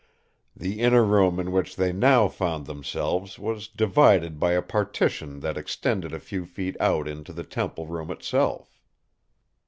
The inner room in which they now found themselves was divided by a partition that extended a few feet out into the temple room itself.